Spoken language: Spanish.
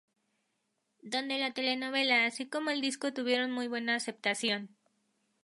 Dónde la telenovela así como el disco tuvieron muy buena aceptación.